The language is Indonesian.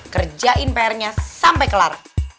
kerjain pr nya sampai kelar